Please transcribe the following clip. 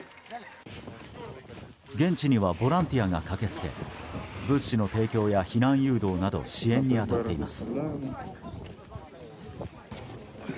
現地にはボランティアが駆け付け物資の提供や避難誘導など支援に当たっています。